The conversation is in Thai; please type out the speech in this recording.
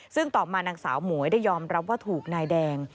ซึ่งต่อมานางสาวหมวยได้ยอมรับว่าถูกนายแดง